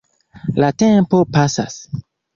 La tempo pasas.